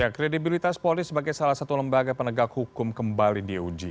kredibilitas polri sebagai salah satu lembaga penegak hukum kembali diuji